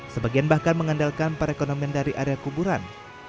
sebagian bahkan mengandalkan perekonomian dari area kuburan